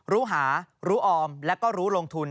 รู้หารู้ออมแล้วก็รู้ลงทุน